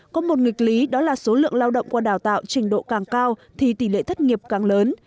có một nghịch lý đó là số lượng lao động qua đào tạo trình độ càng cao thì tỷ lệ thất nghiệp càng lớn